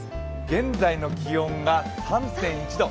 現在の気温が３．１度。